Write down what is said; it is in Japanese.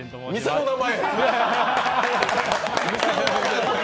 店の名前！